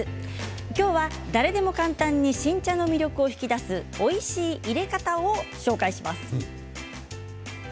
今日は誰でも簡単に新茶の魅力を引き出すおいしい、いれ方を紹介します。